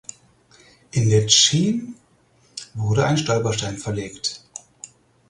In Letschin wurde ein Stolperstein verlegt.